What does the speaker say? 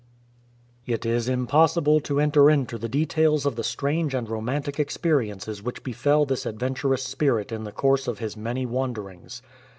It is impossiljle to enter into the details of the strange and romantic experiences which befel this adventurous spirit in the course of his many wanderings.